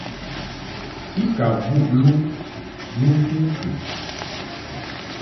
I ka mbuʼ luŋ ni ŋku kəŋ.